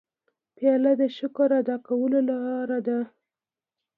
پیاله د شکر ادا کولو لاره ده.